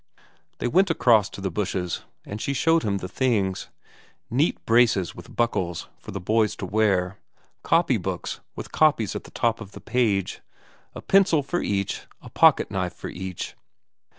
They went across to the bushes, and she showed him the things; neat braces with buckles for the boys to wear, copy books with copies at the top of the page, a pencil for each, a pocket knife for each.